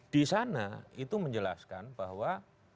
di sana itu menjelaskan bahwa